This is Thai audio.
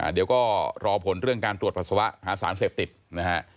เดี๋ยวก็รอผลเรื่องการตรวจปัสสาวะหาสารเสพติดนะฮะ